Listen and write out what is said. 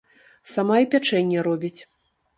Сама і пячэнне робіць.